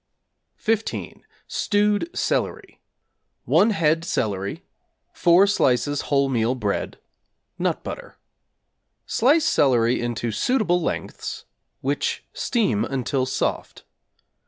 =15. Stewed Celery= 1 head celery, 4 slices whole meal bread, nut butter. Slice celery into suitable lengths, which steam until soft.